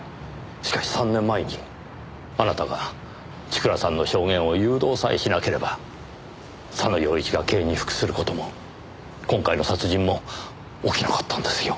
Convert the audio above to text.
しかし３年前にあなたが千倉さんの証言を誘導さえしなければ佐野陽一が刑に服する事も今回の殺人も起きなかったんですよ。